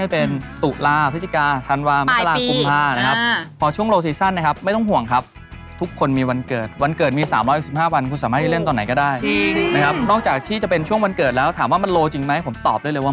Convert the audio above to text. อภิษฐ์บิดดิอภิษฐ์อภิษฐ์